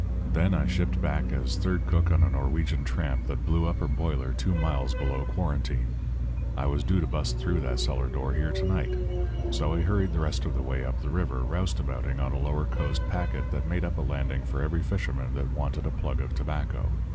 Then I shipped back as third cook on a Norwegian tramp that blew up her boiler two miles below Quarantine. I was due to bust through that cellar door here to night, so I hurried the rest of the way up the river, roustabouting on a lower coast packet that made up a landing for every fisherman that wanted a plug of tobacco.